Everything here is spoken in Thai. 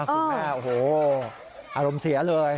คุณแม่โอ้โหอารมณ์เสียเลย